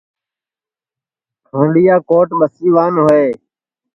کھانڈؔیا کوٹ ٻسیوان ہوئے